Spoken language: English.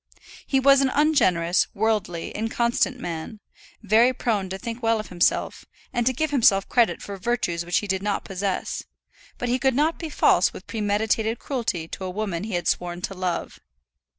He was an ungenerous, worldly, inconstant man, very prone to think well of himself, and to give himself credit for virtues which he did not possess; but he could not be false with premeditated cruelty to a woman he had sworn to love.